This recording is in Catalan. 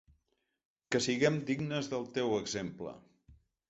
Que siguem dignes del teu exemple.